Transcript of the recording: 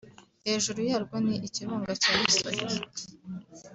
hejuru yarwo ni ikirunga cya Bisoke